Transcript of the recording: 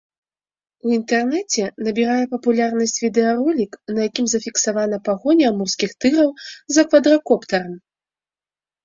У інтэрнэце набірае папулярнасць відэаролік, на якім зафіксаваная пагоня амурскіх тыграў за квадракоптарам.